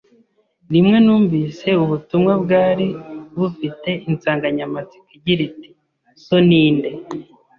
Rimwe, numvise ubutumwa bwari bufite insanganyamatsiko igira iti ‘’So ni nde?